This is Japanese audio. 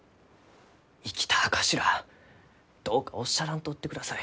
生きた証しらあどうかおっしゃらんとってください。